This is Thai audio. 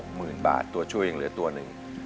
หมื่นบาทตัวช่วยยังเหลือตัวหนึ่ง